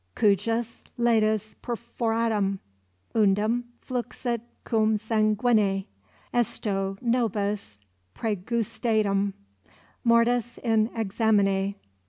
Cujus latus perforatum Undam fluxit cum sanguinae; Esto nobis praegustatum Mortis in examinae."